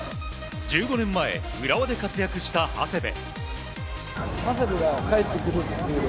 １５年前、浦和で活躍した長谷部。